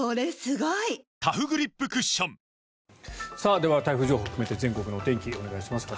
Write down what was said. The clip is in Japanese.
では、台風情報含めて全国のお天気お願いします。